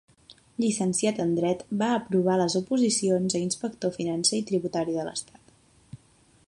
Llicenciat en Dret, va aprovar les oposicions a inspector financer i tributari de l'Estat.